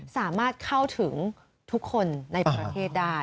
สามารถเข้าถึงทุกคนในประเทศได้